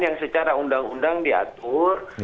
yang secara undang undang diatur